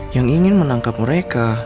yang ingin menangkap mereka